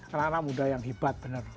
anak anak muda yang hebat benar